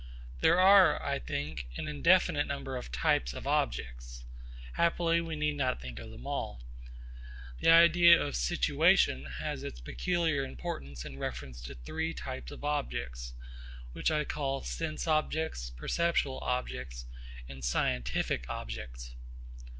There are, I think, an indefinite number of types of objects. Happily we need not think of them all. The idea of situation has its peculiar importance in reference to three types of objects which I call sense objects, perceptual objects and scientific objects.